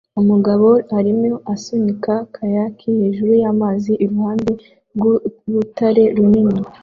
Umugabo arimo asunika kayaki hejuru y'amazi iruhande rw'urutare runini